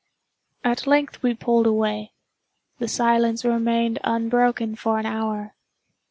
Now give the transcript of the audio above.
At length we pulled away. The silence remained unbroken for an hour.